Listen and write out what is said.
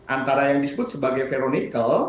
antara yang disebut sebagai veronical